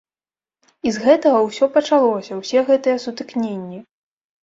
І з гэтага ўсё пачалося, усе гэтыя сутыкненні.